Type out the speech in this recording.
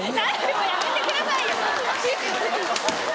もうやめてくださいよ！